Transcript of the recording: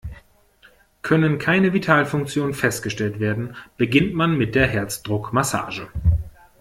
Können keine Vitalfunktionen festgestellt werden, beginnt man mit der Herzdruckmassage.